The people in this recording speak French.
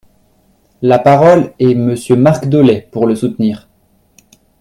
La parole est Monsieur Marc Dolez, pour le soutenir.